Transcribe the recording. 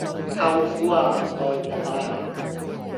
舅父呀！外婆呀！